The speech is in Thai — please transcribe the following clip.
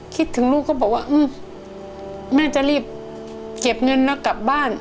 คิดถึงลูกก็บอกว่าแม่จะรีบเก็บเงินแล้วกลับบ้าน